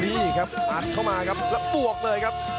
นี่ครับอัดเข้ามาครับแล้วบวกเลยครับ